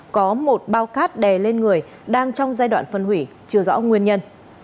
có một bao cát đè lên người đang trong giai đoạn phân hủy chưa rõ nguyên nhân